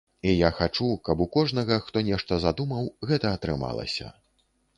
І я хачу, каб у кожнага, хто нешта задумаў, гэта атрымалася.